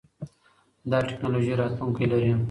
دا ټکنالوژي راتلونکی لري.